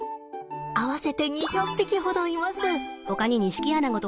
合わせて２００匹ほどいます。